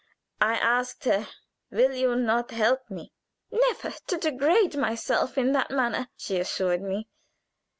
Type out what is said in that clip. "I asked her, 'Will you not help me?' "'Never, to degrade yourself in that manner,' she assured me.